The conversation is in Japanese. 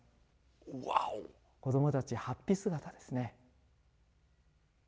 子どもたち、はっぴ姿ですね。